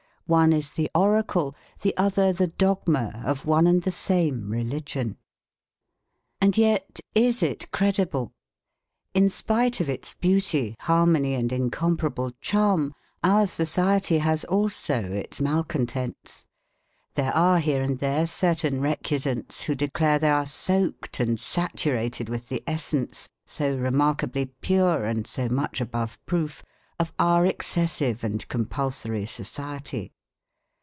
One is the oracle, the other the dogma of one and the same religion. And yet is it credible? In spite of its beauty, harmony and incomparable charm, our society has also its malcontents. There are here and there certain recusants who declare they are soaked and saturated with the essence, so remarkably pure and so much above proof, of our excessive and compulsory society.